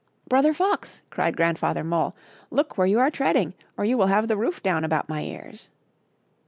" Brother Fox," cried Grandfather Mole, " look where you are treading, or you will have the roof down about my ears."